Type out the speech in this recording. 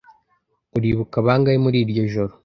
Uribuka bangahe muri iryo joro